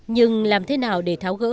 nhưng làm thế nào để tháo gỡ